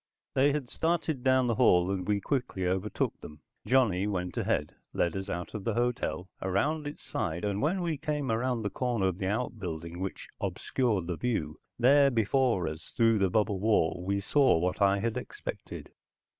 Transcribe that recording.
They had started down the hall, and we quickly overtook them. Johnny went ahead, led us out of the hotel, around its side, and when we came around the corner of the outbuilding which obscured the view, there before us, through the bubble wall, we saw what I had expected.